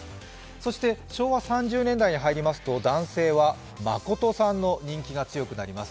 そして、昭和３０年代に入りますと男性は誠さんの人気が強くなります。